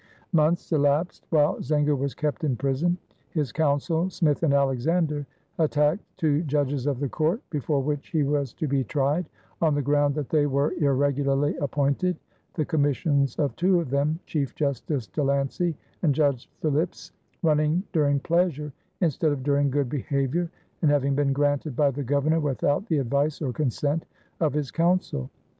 Months elapsed while Zenger was kept in prison. His counsel, Smith and Alexander, attacked two judges of the court before which he was to be tried, on the ground that they were irregularly appointed, the commissions of two of them, Chief Justice De Lancey and Judge Philipse, running "during pleasure" instead of "during good behavior" and having been granted by the Governor without the advice or consent of his Council.